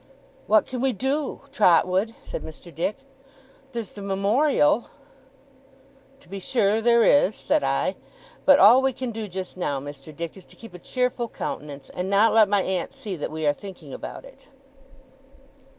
'What can we do, Trotwood?' said Mr. Dick. 'There's the Memorial ' 'To be sure there is,' said I. 'But all we can do just now, Mr. Dick, is to keep a cheerful countenance, and not let my aunt see that we are thinking about it.